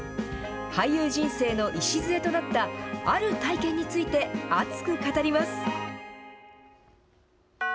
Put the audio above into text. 俳優人生の礎となった、ある体験について熱く語ります。